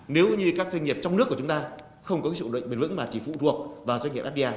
nếu như các doanh nghiệp trong nước của chúng ta không có cái sự định bền vững mà chỉ phụ thuộc vào doanh nghiệp fda